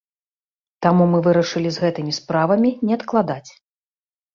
Таму мы вырашылі з гэтымі справамі не адкладаць.